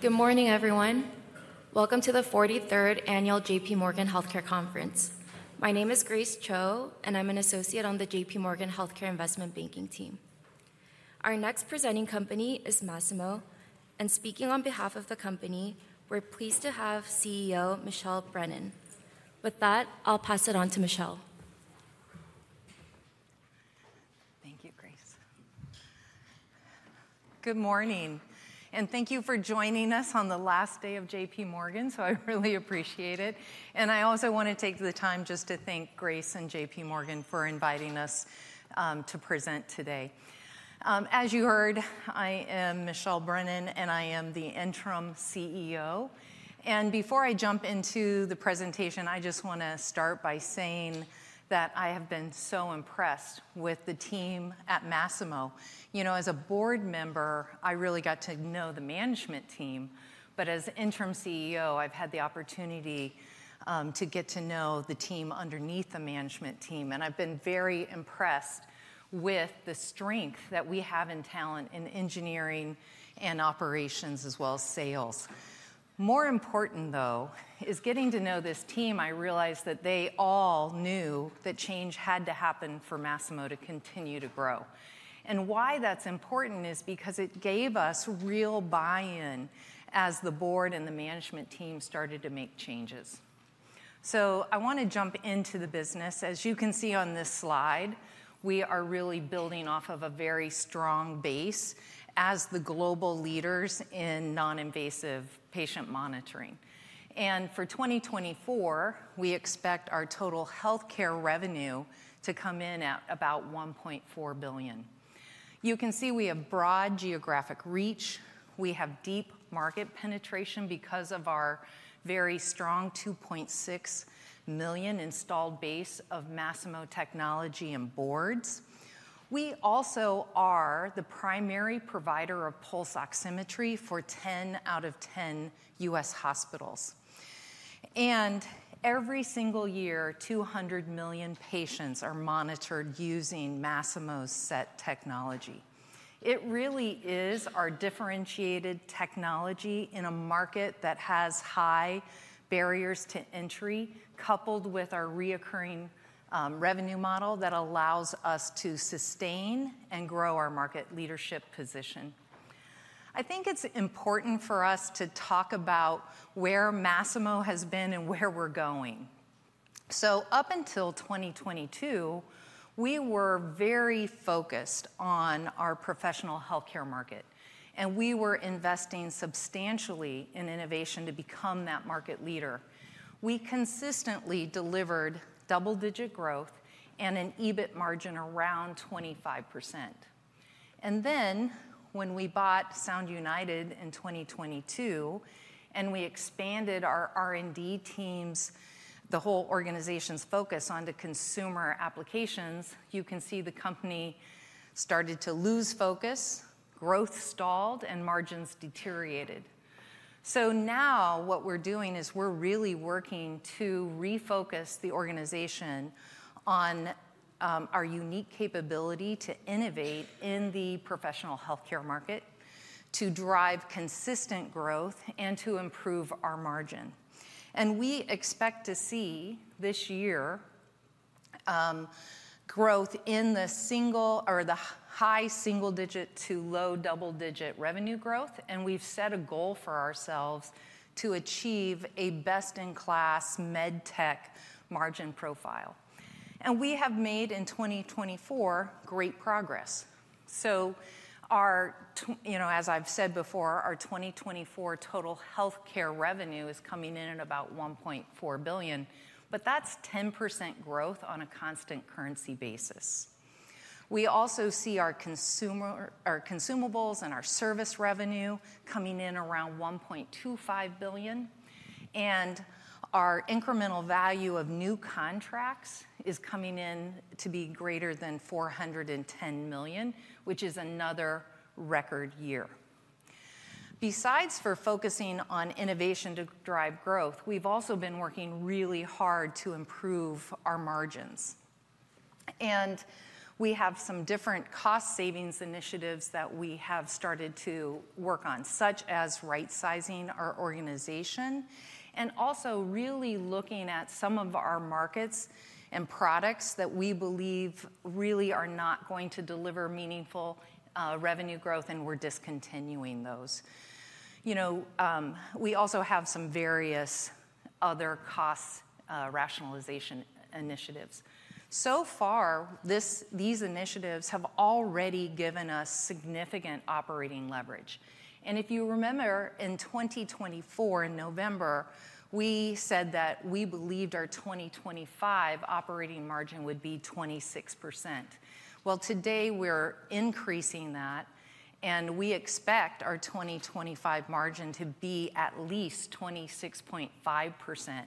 Good morning, everyone. Welcome to the 43rd Annual J.P. Morgan Healthcare Conference. My name is Grace Cho, and I'm an associate on the J.P. Morgan Healthcare Investment Banking team. Our next presenting company is Masimo, and speaking on behalf of the company, we're pleased to have CEO Michelle Brennan. With that, I'll pass it on to Michelle. Thank you, Grace. Good morning, and thank you for joining us on the last day of J.P. Morgan, so I really appreciate it, and I also want to take the time just to thank Grace and J.P. Morgan for inviting us to present today. As you heard, I am Michelle Brennan, and I am the interim CEO, and before I jump into the presentation, I just want to start by saying that I have been so impressed with the team at Masimo. You know, as a board member, I really got to know the management team, but as interim CEO, I've had the opportunity to get to know the team underneath the management team, and I've been very impressed with the strength that we have in talent, in engineering, and operations, as well as sales. More important, though, is getting to know this team. I realized that they all knew that change had to happen for Masimo to continue to grow. And why that's important is because it gave us real buy-in as the board and the management team started to make changes. So I want to jump into the business. As you can see on this slide, we are really building off of a very strong base as the global leaders in non-invasive patient monitoring. And for 2024, we expect our total healthcare revenue to come in at about $1.4 billion. You can see we have broad geographic reach. We have deep market penetration because of our very strong 2.6 million installed base of Masimo technology and boards. We also are the primary provider of pulse oximetry for 10 out of 10 U.S. hospitals. And every single year, 200 million patients are monitored using Masimo SET technology. It really is our differentiated technology in a market that has high barriers to entry, coupled with our recurring revenue model that allows us to sustain and grow our market leadership position. I think it's important for us to talk about where Masimo has been and where we're going, so up until 2022, we were very focused on our professional healthcare market, and we were investing substantially in innovation to become that market leader. We consistently delivered double-digit growth and an EBIT margin around 25%, and then when we bought Sound United in 2022 and we expanded our R&D teams, the whole organization's focus onto consumer applications, you can see the company started to lose focus, growth stalled, and margins deteriorated. So now what we're doing is we're really working to refocus the organization on our unique capability to innovate in the professional healthcare market, to drive consistent growth, and to improve our margin. And we expect to see this year growth in the single or the high single-digit to low double-digit revenue growth, and we've set a goal for ourselves to achieve a best-in-class medtech margin profile. And we have made in 2024 great progress. So our, you know, as I've said before, our 2024 total healthcare revenue is coming in at about $1.4 billion, but that's 10% growth on a constant currency basis. We also see our consumables and our service revenue coming in around $1.25 billion, and our incremental value of new contracts is coming in to be greater than $410 million, which is another record year. Besides focusing on innovation to drive growth, we've also been working really hard to improve our margins, and we have some different cost savings initiatives that we have started to work on, such as right-sizing our organization and also really looking at some of our markets and products that we believe really are not going to deliver meaningful revenue growth, and we're discontinuing those. You know, we also have some various other cost rationalization initiatives. So far, these initiatives have already given us significant operating leverage, and if you remember, in 2024, in November, we said that we believed our 2025 operating margin would be 26%, well, today we're increasing that, and we expect our 2025 margin to be at least 26.5%,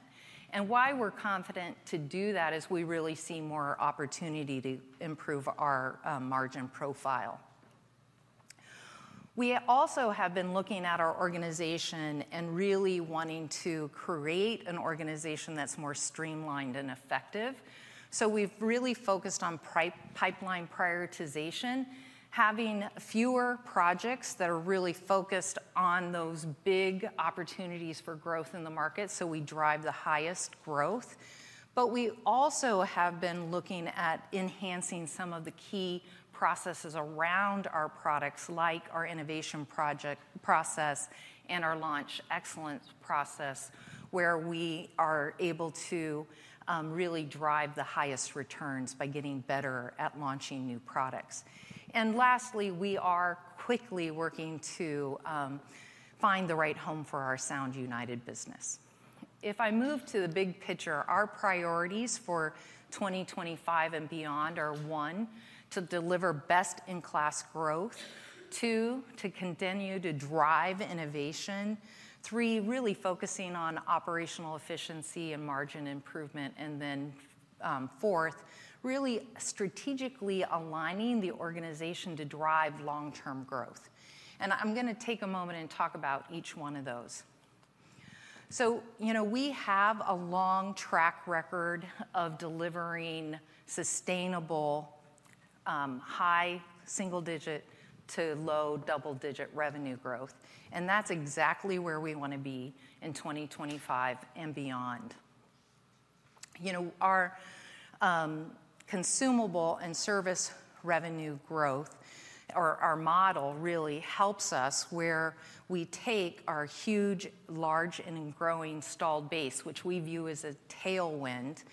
and why we're confident to do that is we really see more opportunity to improve our margin profile. We also have been looking at our organization and really wanting to create an organization that's more streamlined and effective. So we've really focused on pipeline prioritization, having fewer projects that are really focused on those big opportunities for growth in the market so we drive the highest growth. But we also have been looking at enhancing some of the key processes around our products, like our innovation process and our launch excellence process, where we are able to really drive the highest returns by getting better at launching new products. And lastly, we are quickly working to find the right home for our Sound United business. If I move to the big picture, our priorities for 2025 and beyond are: one, to deliver best-in-class growth, two, to continue to drive innovation, three, really focusing on operational efficiency and margin improvement, and then fourth, really strategically aligning the organization to drive long-term growth. And I'm going to take a moment and talk about each one of those. So, you know, we have a long track record of delivering sustainable high single-digit to low double-digit revenue growth, and that's exactly where we want to be in 2025 and beyond. You know, our consumable and service revenue growth, or our model, really helps us where we take our huge, large, and growing installed base, which we view as a tailwind,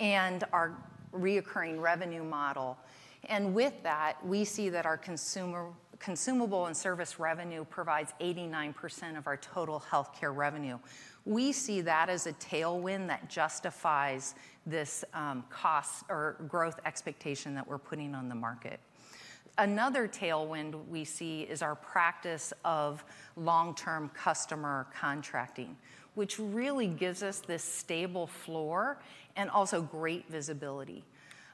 and our recurring revenue model. And with that, we see that our consumable and service revenue provides 89% of our total healthcare revenue. We see that as a tailwind that justifies this cost or growth expectation that we're putting on the market. Another tailwind we see is our practice of long-term customer contracting, which really gives us this stable floor and also great visibility.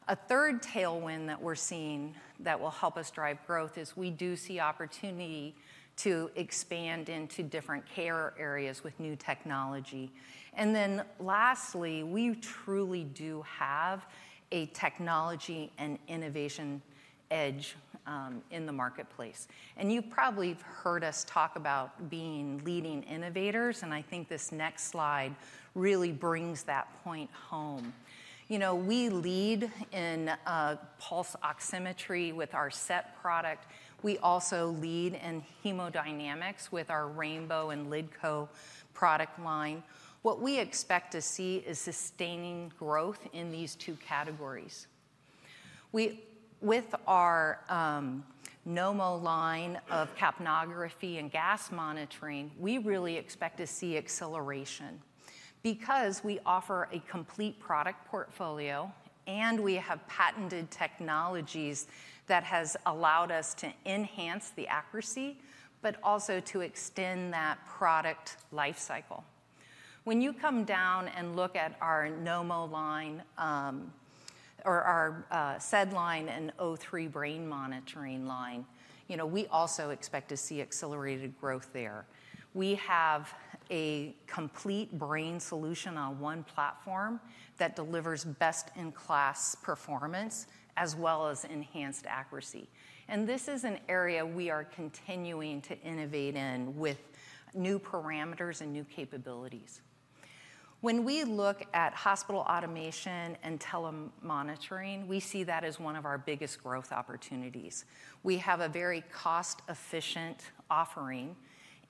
A third tailwind that we're seeing that will help us drive growth is we do see opportunity to expand into different care areas with new technology, and then lastly, we truly do have a technology and innovation edge in the marketplace, and you probably have heard us talk about being leading innovators, and I think this next slide really brings that point home. You know, we lead in pulse oximetry with our SET product. We also lead in hemodynamics with our Rainbow and LiDCO product line. What we expect to see is sustaining growth in these two categories. With our NomoLine line of capnography and gas monitoring, we really expect to see acceleration because we offer a complete product portfolio, and we have patented technologies that have allowed us to enhance the accuracy, but also to extend that product lifecycle. When you come down and look at our NomoLine line or our SET line and O3 brain monitoring line, you know, we also expect to see accelerated growth there. We have a complete brain solution on one platform that delivers best-in-class performance as well as enhanced accuracy, and this is an area we are continuing to innovate in with new parameters and new capabilities. When we look at hospital automation and telemonitoring, we see that as one of our biggest growth opportunities. We have a very cost-efficient offering,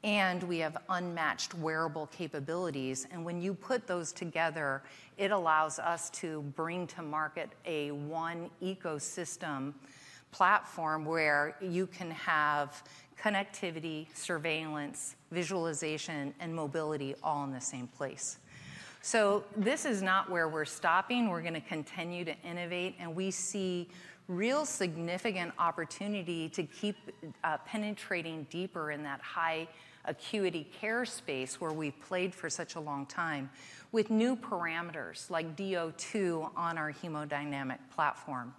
and we have unmatched wearable capabilities. When you put those together, it allows us to bring to market a one ecosystem platform where you can have connectivity, surveillance, visualization, and mobility all in the same place. This is not where we're stopping. We're going to continue to innovate, and we see real significant opportunity to keep penetrating deeper in that high acuity care space where we've played for such a long time with new parameters like DO2 on our hemodynamic platform.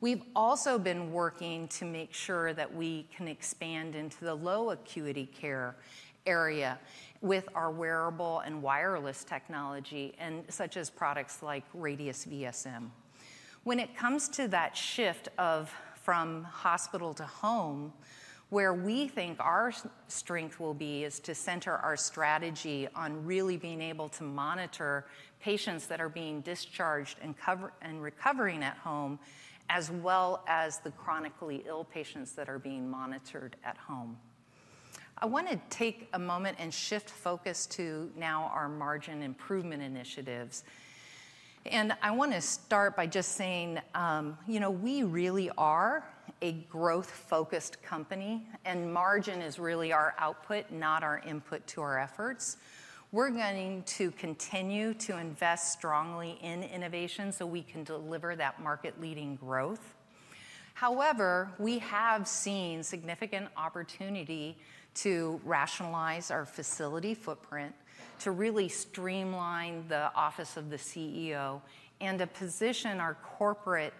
We've also been working to make sure that we can expand into the low acuity care area with our wearable and wireless technology, such as products like Radius VSM. When it comes to that shift from hospital to home, where we think our strength will be is to center our strategy on really being able to monitor patients that are being discharged and recovering at home, as well as the chronically ill patients that are being monitored at home. I want to take a moment and shift focus to, now, our margin improvement initiatives, and I want to start by just saying, you know, we really are a growth-focused company, and margin is really our output, not our input to our efforts. We're going to continue to invest strongly in innovation so we can deliver that market-leading growth. However, we have seen significant opportunity to rationalize our facility footprint, to really streamline the office of the CEO, and to position our corporate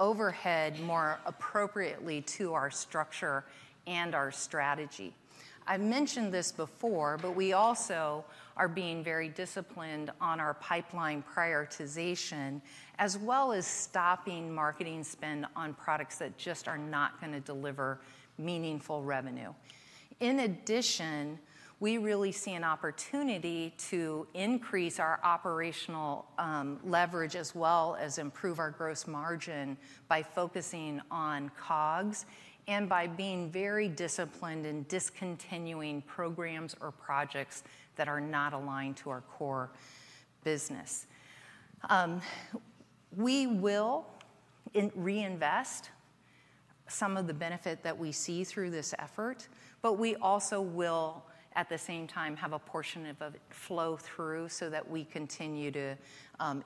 overhead more appropriately to our structure and our strategy. I've mentioned this before, but we also are being very disciplined on our pipeline prioritization, as well as stopping marketing spend on products that just are not going to deliver meaningful revenue. In addition, we really see an opportunity to increase our operational leverage as well as improve our gross margin by focusing on COGS and by being very disciplined in discontinuing programs or projects that are not aligned to our core business. We will reinvest some of the benefit that we see through this effort, but we also will, at the same time, have a portion of it flow through so that we continue to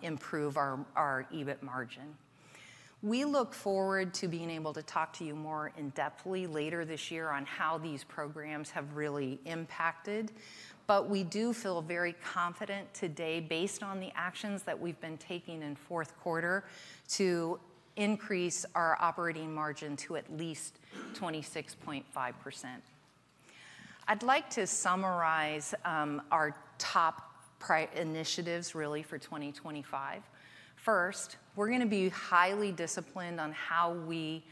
improve our EBIT margin. We look forward to being able to talk to you more in-depth later this year on how these programs have really impacted, but we do feel very confident today, based on the actions that we've been taking in Q4, to increase our operating margin to at least 26.5%. I'd like to summarize our top initiatives really for 2025. First, we're going to be highly disciplined on how we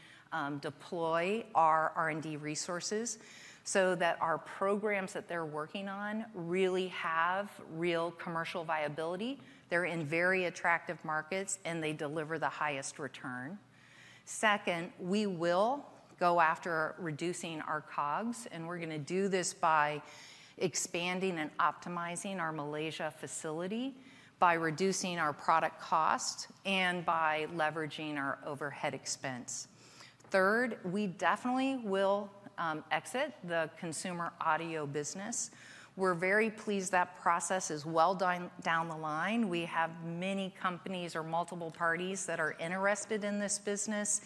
deploy our R&D resources so that our programs that they're working on really have real commercial viability. They're in very attractive markets, and they deliver the highest return. Second, we will go after reducing our COGS, and we're going to do this by expanding and optimizing our Malaysia facility, by reducing our product costs, and by leveraging our overhead expense. Third, we definitely will exit the consumer audio business. We're very pleased that process is well down the line. We have many companies or multiple parties that are interested in this business,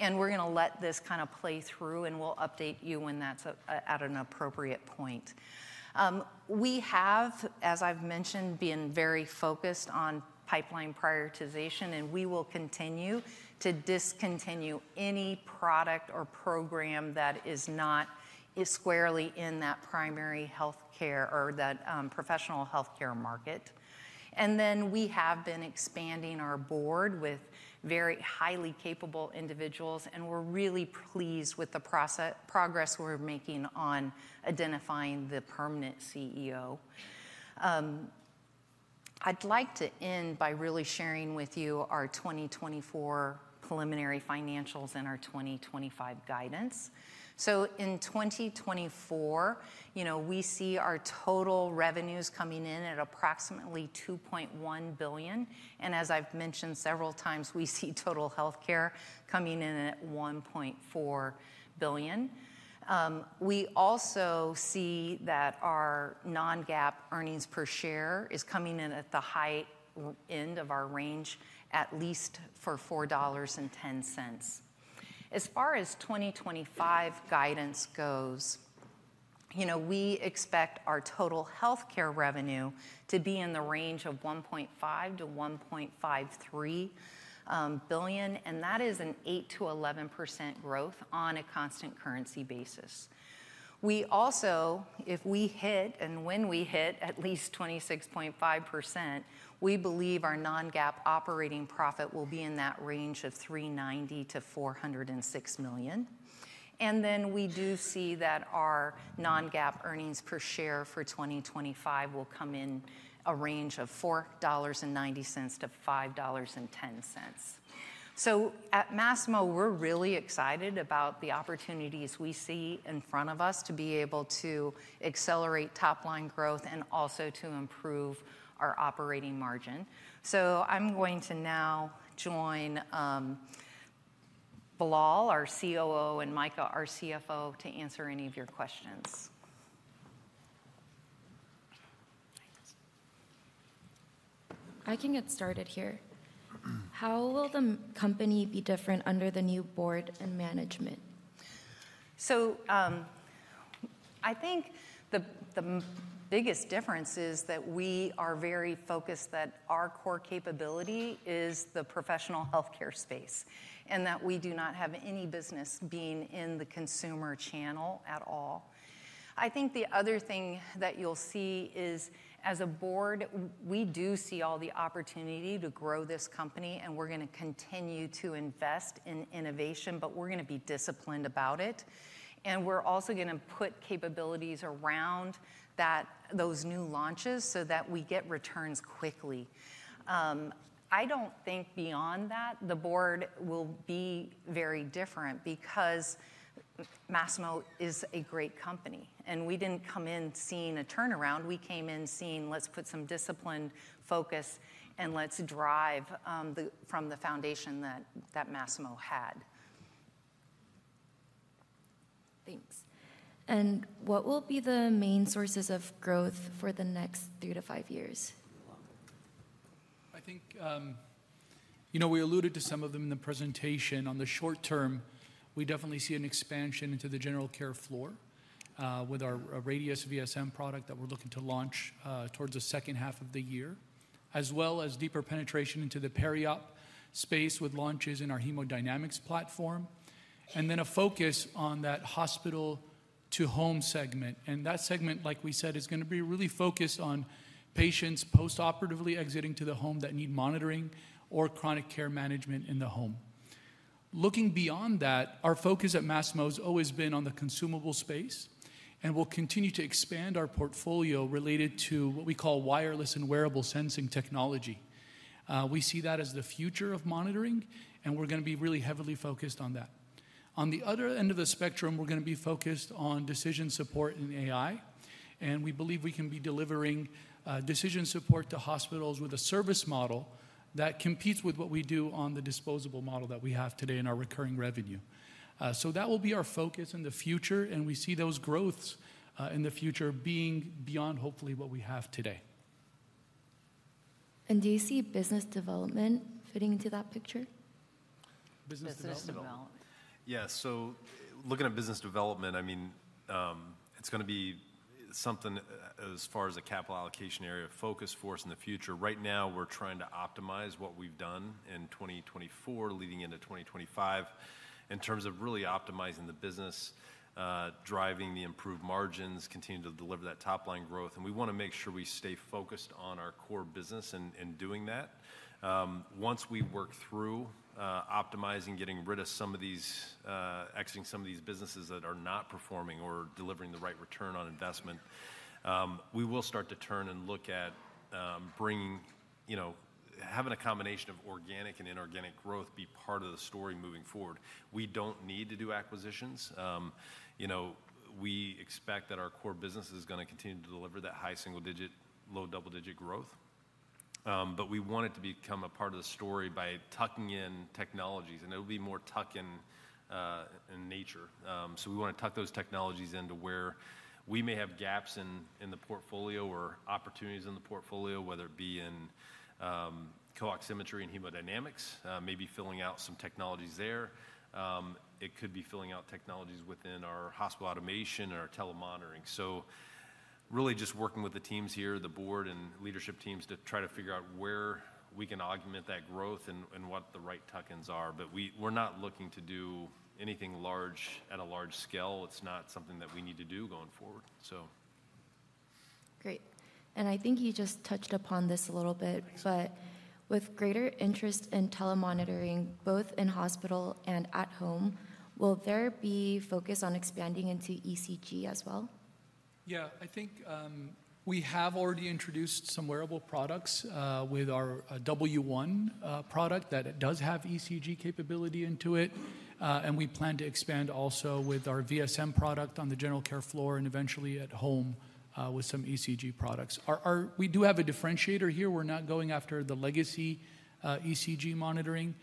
and we're going to let this kind of play through, and we'll update you when that's at an appropriate point. We have, as I've mentioned, been very focused on pipeline prioritization, and we will continue to discontinue any product or program that is not squarely in that primary healthcare or that professional healthcare market, and then we have been expanding our board with very highly capable individuals, and we're really pleased with the progress we're making on identifying the permanent CEO. I'd like to end by really sharing with you our 2024 preliminary financials and our 2025 guidance, so in 2024, you know, we see our total revenues coming in at approximately $2.1 billion, and as I've mentioned several times, we see total healthcare coming in at $1.4 billion. We also see that our non-GAAP earnings per share is coming in at the high end of our range, at least for $4.10. As far as 2025 guidance goes, you know, we expect our total healthcare revenue to be in the range of $1.5-1.53 billion, and that is an 8-11% growth on a constant currency basis. We also, if we hit and when we hit at least 26.5%, we believe our non-GAAP operating profit will be in that range of $390-406 million. And then we do see that our non-GAAP earnings per share for 2025 will come in a range of $4.90-$5.10. So at Masimo, we're really excited about the opportunities we see in front of us to be able to accelerate top-line growth and also to improve our operating margin. So I'm going to now join Blair, our COO, and Micah, our CFO, to answer any of your questions. I can get started here. How will the company be different under the new board and management? I think the biggest difference is that we are very focused that our core capability is the professional healthcare space and that we do not have any business being in the consumer channel at all. I think the other thing that you'll see is, as a board, we do see all the opportunity to grow this company, and we're going to continue to invest in innovation, but we're going to be disciplined about it. We're also going to put capabilities around those new launches so that we get returns quickly. I don't think beyond that the board will be very different because Masimo is a great company, and we didn't come in seeing a turnaround. We came in seeing, let's put some discipline, focus, and let's drive from the foundation that Masimo had. Thanks. What will be the main sources of growth for the next three to five years? I think, you know, we alluded to some of them in the presentation. On the short term, we definitely see an expansion into the general care floor with our Radius VSM product that we're looking to launch towards the second half of the year, as well as deeper penetration into the peri-op space with launches in our hemodynamics platform, and then a focus on that hospital-to-home segment, and that segment, like we said, is going to be really focused on patients post-operatively exiting to the home that need monitoring or chronic care management in the home. Looking beyond that, our focus at Masimo has always been on the consumable space, and we'll continue to expand our portfolio related to what we call wireless and wearable sensing technology. We see that as the future of monitoring, and we're going to be really heavily focused on that. On the other end of the spectrum, we're going to be focused on decision support and AI, and we believe we can be delivering decision support to hospitals with a service model that competes with what we do on the disposable model that we have today in our recurring revenue, so that will be our focus in the future, and we see those growths in the future being beyond hopefully what we have today. Do you see business development fitting into that picture? Business development. Yeah. So looking at business development, I mean, it's going to be something as far as a capital allocation area of focus for us in the future. Right now, we're trying to optimize what we've done in 2024 leading into 2025 in terms of really optimizing the business, driving the improved margins, continuing to deliver that top-line growth. And we want to make sure we stay focused on our core business and doing that. Once we work through optimizing, getting rid of some of these, exiting some of these businesses that are not performing or delivering the right return on investment, we will start to turn and look at bringing, you know, having a combination of organic and inorganic growth be part of the story moving forward. We don't need to do acquisitions. You know, we expect that our core business is going to continue to deliver that high single-digit, low double-digit growth, but we want it to become a part of the story by tucking in technologies, and it'll be more tuck-in in nature. So we want to tuck those technologies into where we may have gaps in the portfolio or opportunities in the portfolio, whether it be in co-oximetry and hemodynamics, maybe filling out some technologies there. It could be filling out technologies within our hospital automation or telemonitoring. So really just working with the teams here, the board and leadership teams to try to figure out where we can augment that growth and what the right tuck-ins are. But we're not looking to do anything large at a large scale. It's not something that we need to do going forward, so. Great. And I think you just touched upon this a little bit, but with greater interest in telemonitoring both in hospital and at home, will there be focus on expanding into ECG as well? Yeah, I think we have already introduced some wearable products with our W1 product that does have ECG capability into it, and we plan to expand also with our VSM product on the general care floor and eventually at home with some ECG products. We do have a differentiator here. We're not going after the legacy ECG monitoring.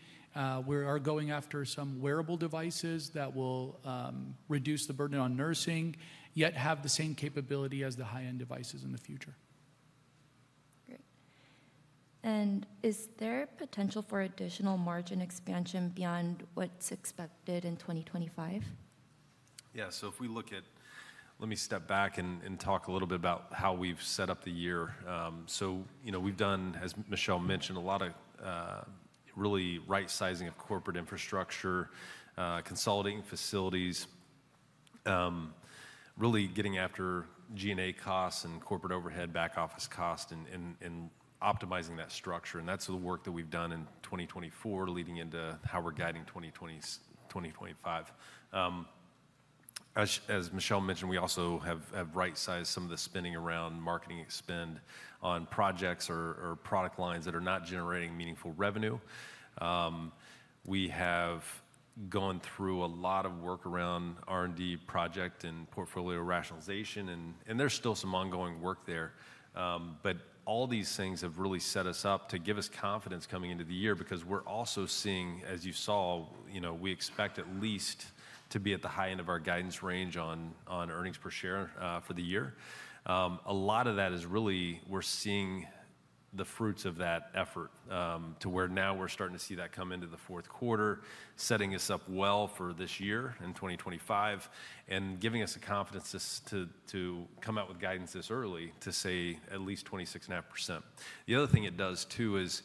We are going after some wearable devices that will reduce the burden on nursing, yet have the same capability as the high-end devices in the future. Great. And is there potential for additional margin expansion beyond what's expected in 2025? Yeah, so if we look at, let me step back and talk a little bit about how we've set up the year. So, you know, we've done, as Michelle mentioned, a lot of really right-sizing of corporate infrastructure, consolidating facilities, really getting after G&A costs and corporate overhead back office costs and optimizing that structure, and that's the work that we've done in 2024 leading into how we're guiding 2025. As Michelle mentioned, we also have right-sized some of the spending around marketing spend on projects or product lines that are not generating meaningful revenue. We have gone through a lot of work around R&D project and portfolio rationalization, and there's still some ongoing work there. But all these things have really set us up to give us confidence coming into the year because we're also seeing, as you saw, you know, we expect at least to be at the high end of our guidance range on earnings per share for the year. A lot of that is really we're seeing the fruits of that effort to where now we're starting to see that come into the Q4 setting us up well for this year and 2025 and giving us the confidence to come out with guidance this early to say at least 26.5%. The other thing it does too is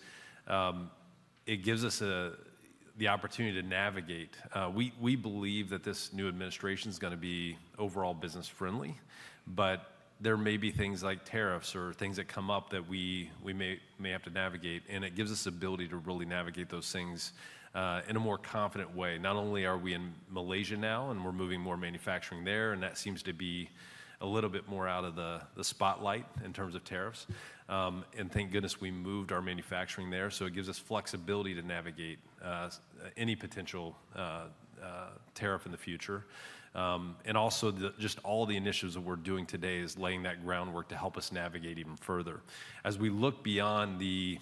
it gives us the opportunity to navigate. We believe that this new administration is going to be overall business-friendly, but there may be things like tariffs or things that come up that we may have to navigate, and it gives us the ability to really navigate those things in a more confident way. Not only are we in Malaysia now and we're moving more manufacturing there, and that seems to be a little bit more out of the spotlight in terms of tariffs, and thank goodness we moved our manufacturing there, so it gives us flexibility to navigate any potential tariff in the future, and also just all the initiatives that we're doing today is laying that groundwork to help us navigate even further. As we look beyond the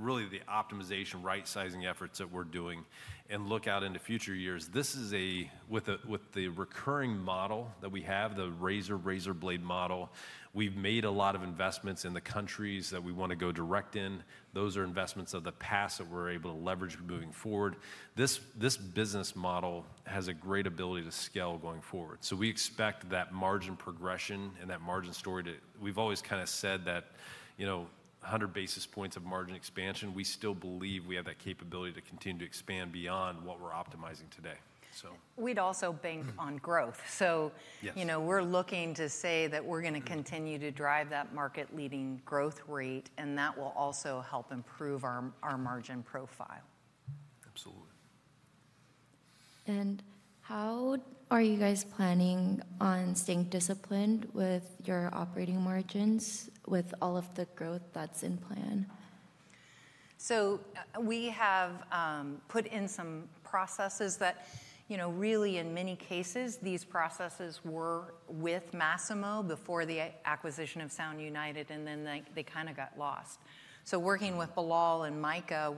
really optimization right-sizing efforts that we're doing and look out into future years, this is, with the recurring model that we have, the razor-blade model. We've made a lot of investments in the countries that we want to go direct in. Those are investments of the past that we're able to leverage moving forward. This business model has a great ability to scale going forward. So we expect that margin progression and that margin story. We've always kind of said that, you know, 100 basis points of margin expansion. We still believe we have that capability to continue to expand beyond what we're optimizing today, so. We'd also bank on growth. So, you know, we're looking to say that we're going to continue to drive that market-leading growth rate, and that will also help improve our margin profile. Absolutely. How are you guys planning on staying disciplined with your operating margins with all of the growth that's in plan? So we have put in some processes that, you know, really in many cases, these processes were with Masimo before the acquisition of Sound United, and then they kind of got lost. So working with Blair and Micah,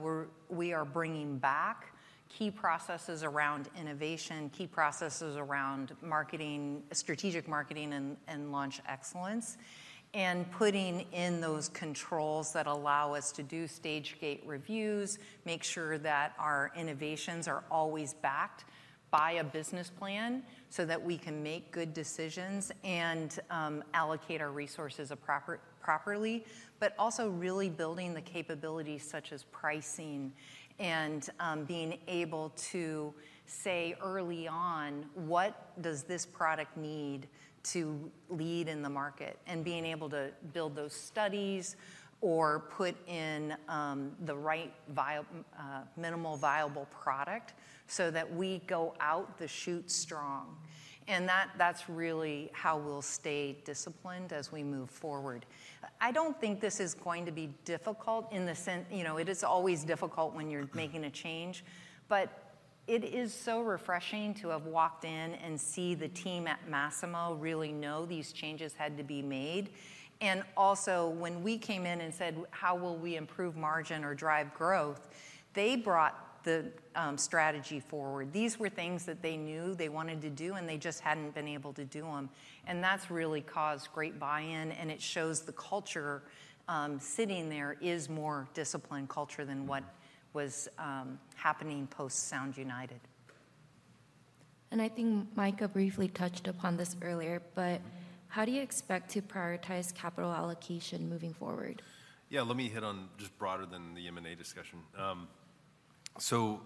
we are bringing back key processes around innovation, key processes around marketing, strategic marketing, and launch excellence, and putting in those controls that allow us to do stage gate reviews, make sure that our innovations are always backed by a business plan so that we can make good decisions and allocate our resources properly, but also really building the capabilities such as pricing and being able to say early on, what does this product need to lead in the market, and being able to build those studies or put in the right minimal viable product so that we go out the chute strong. And that's really how we'll stay disciplined as we move forward. I don't think this is going to be difficult in the sense, you know, it is always difficult when you're making a change, but it is so refreshing to have walked in and see the team at Masimo really know these changes had to be made. And also when we came in and said, how will we improve margin or drive growth, they brought the strategy forward. These were things that they knew they wanted to do, and they just hadn't been able to do them. And that's really caused great buy-in, and it shows the culture sitting there is more disciplined culture than what was happening post Sound United. I think Micah briefly touched upon this earlier, but how do you expect to prioritize capital allocation moving forward? Yeah, let me hit on just broader than the M&A discussion. So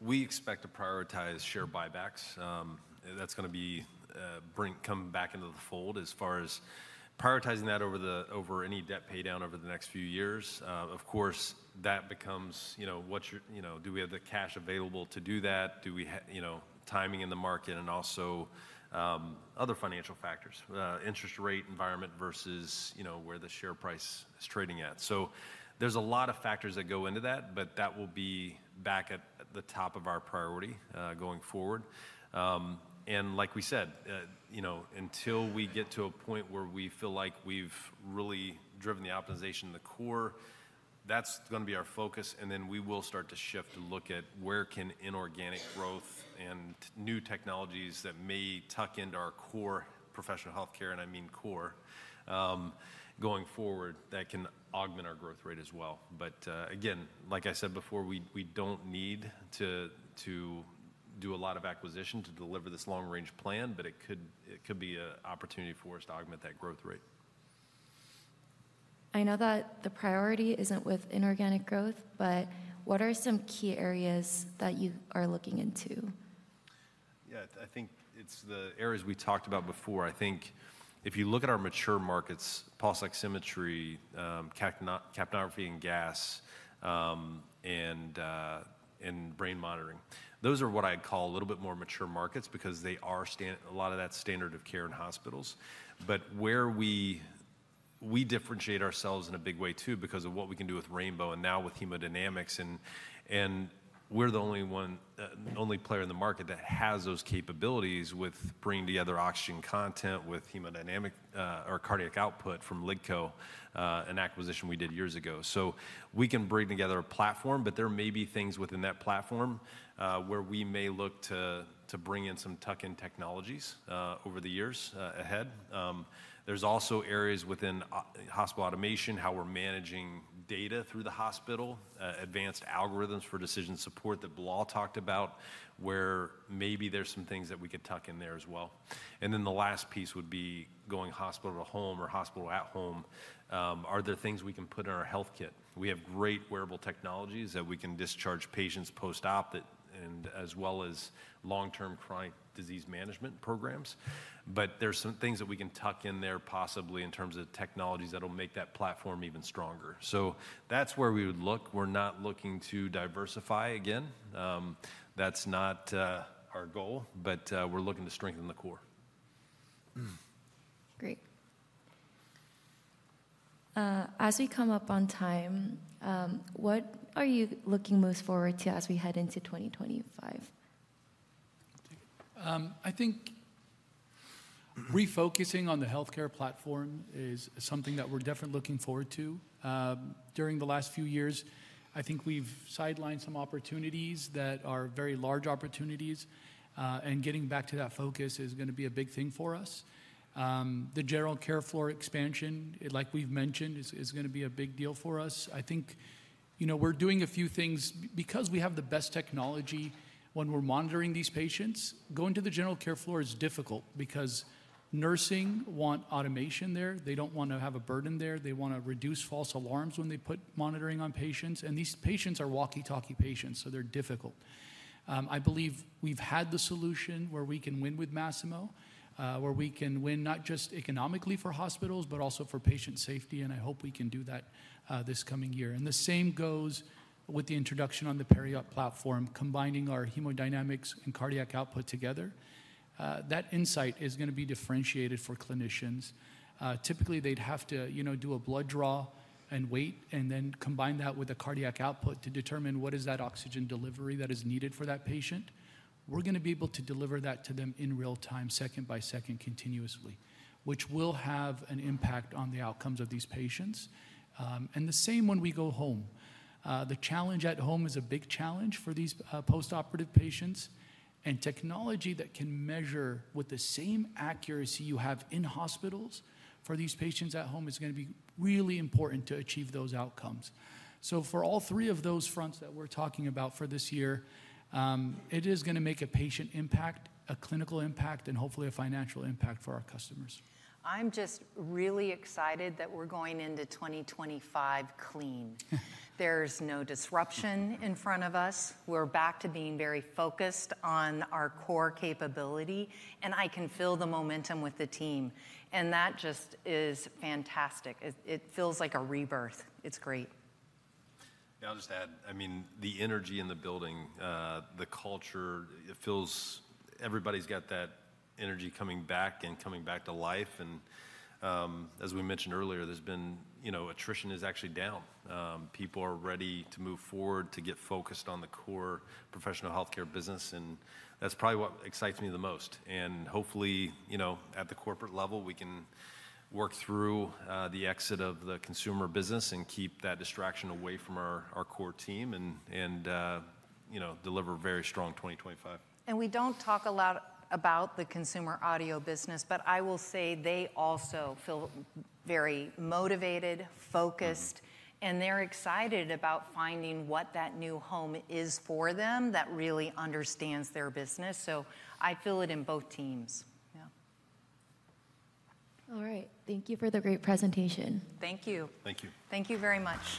we expect to prioritize share buybacks. That's going to come back into the fold as far as prioritizing that over any debt paydown over the next few years. Of course, that becomes, you know, what you're, you know, do we have the cash available to do that? Do we, you know, timing in the market and also other financial factors, interest rate environment versus, you know, where the share price is trading at. So there's a lot of factors that go into that, but that will be back at the top of our priority going forward. And like we said, you know, until we get to a point where we feel like we've really driven the optimization in the core, that's going to be our focus. Then we will start to shift to look at where can inorganic growth and new technologies that may tuck into our core professional healthcare, and I mean core, going forward that can augment our growth rate as well. Again, like I said before, we don't need to do a lot of acquisition to deliver this long-range plan, but it could be an opportunity for us to augment that growth rate. I know that the priority isn't with inorganic growth, but what are some key areas that you are looking into? Yeah, I think it's the areas we talked about before. I think if you look at our mature markets, pulse oximetry, capnography, and gas, and brain monitoring, those are what I'd call a little bit more mature markets because they are a lot of that standard of care in hospitals. But where we differentiate ourselves in a big way too because of what we can do with Rainbow and now with hemodynamics, and we're the only player in the market that has those capabilities with bringing together oxygen content with hemodynamic or cardiac output from LiDCO, an acquisition we did years ago. So we can bring together a platform, but there may be things within that platform where we may look to bring in some tuck-in technologies over the years ahead. There's also areas within hospital automation, how we're managing data through the hospital, advanced algorithms for decision support that Blair talked about, where maybe there's some things that we could tuck in there as well. And then the last piece would be going hospital to home or hospital at home. Are there things we can put in our health kit? We have great wearable technologies that we can discharge patients post-op and as well as long-term chronic disease management programs. But there's some things that we can tuck in there possibly in terms of technologies that'll make that platform even stronger. So that's where we would look. We're not looking to diversify again. That's not our goal, but we're looking to strengthen the core. Great. As we come up on time, what are you looking most forward to as we head into 2025? I think refocusing on the healthcare platform is something that we're definitely looking forward to. During the last few years, I think we've sidelined some opportunities that are very large opportunities, and getting back to that focus is going to be a big thing for us. The general care floor expansion, like we've mentioned, is going to be a big deal for us. I think, you know, we're doing a few things because we have the best technology when we're monitoring these patients. Going to the general care floor is difficult because nursing want automation there. They don't want to have a burden there. They want to reduce false alarms when they put monitoring on patients. And these patients are walkie-talkie patients, so they're difficult. I believe we've had the solution where we can win with Masimo, where we can win not just economically for hospitals, but also for patient safety, and I hope we can do that this coming year, and the same goes with the introduction on the peri-op platform, combining our hemodynamics and cardiac output together. That insight is going to be differentiated for clinicians. Typically, they'd have to, you know, do a blood draw and wait and then combine that with a cardiac output to determine what is that oxygen delivery that is needed for that patient. We're going to be able to deliver that to them in real time, second by second, continuously, which will have an impact on the outcomes of these patients, and the same when we go home. The challenge at home is a big challenge for these post-operative patients. And technology that can measure with the same accuracy you have in hospitals for these patients at home is going to be really important to achieve those outcomes. So for all three of those fronts that we're talking about for this year, it is going to make a patient impact, a clinical impact, and hopefully a financial impact for our customers. I'm just really excited that we're going into 2025 clean. There's no disruption in front of us. We're back to being very focused on our core capability, and I can feel the momentum with the team, and that just is fantastic. It feels like a rebirth. It's great. Yeah, I'll just add, I mean, the energy in the building, the culture. It feels everybody's got that energy coming back and coming back to life. And as we mentioned earlier, there's been, you know, attrition is actually down. People are ready to move forward to get focused on the core professional healthcare business. And that's probably what excites me the most. And hopefully, you know, at the corporate level, we can work through the exit of the consumer business and keep that distraction away from our core team and, you know, deliver a very strong 2025. We don't talk a lot about the consumer audio business, but I will say they also feel very motivated, focused, and they're excited about finding what that new home is for them that really understands their business. I feel it in both teams. Yeah. All right. Thank you for the great presentation. Thank you. Thank you. Thank you very much.